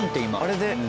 あれで。